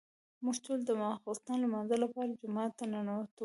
موږ ټول د ماسخوتن د لمانځه لپاره جومات ته ننوتو.